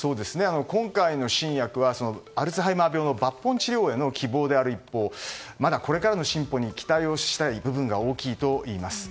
今回の新薬はアルツハイマー病の抜本治療への希望である一方まだこれからの進歩に期待をしたい部分が大きいといいます。